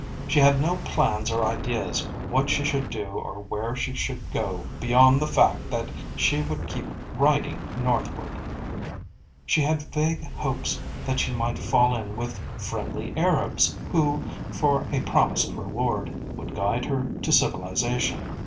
She had no plans or ideas what she should do or where she should go beyond the fact that she would keep riding northward. She had vague hopes that she might fall in with friendly Arabs who, for a promised reward, would guide her to civilisation.